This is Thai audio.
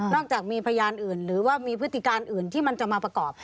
จากมีพยานอื่นหรือว่ามีพฤติการอื่นที่มันจะมาประกอบ